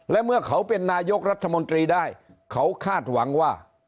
และเมื่อเขาเป็นนายกรัฐมนตรีได้เขาคาดหวังว่า